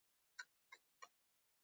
دولتي ورځپاڼې معلومات خپروي